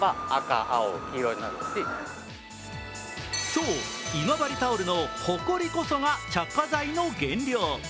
そう、今治タオルのほこりこそが着火剤の原料。